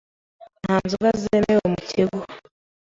Nta nzoga zemewe mu kigo .